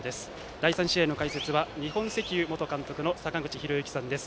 第３試合の解説は日本石油元監督の坂口裕之さんです。